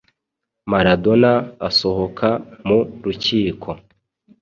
Maradona asohoka mu rukiko